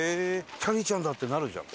「きゃりーちゃんだ！」ってなるじゃん？